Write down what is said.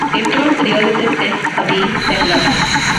Improved realism tests are being developed.